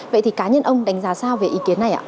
vậy thì cá nhân ông đánh giá sao về ý kiến này ạ